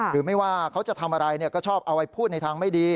หรือไม่ว่าเขาจะทำอะไรก็ชอบเอาไว้พูดในทางไม่ดี